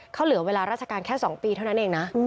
เขาเหลือเวลาราชการแค่๒ปีเท่านั้นเองนะ